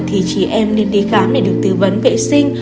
thì chị em nên đi khám để được tư vấn vệ sinh